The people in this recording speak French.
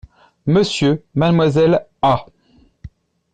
Monsieur Mademoiselle A.